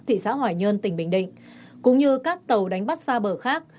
thị xã hoài nhơn tỉnh bình định cũng như các tàu đánh bắt xa bờ khác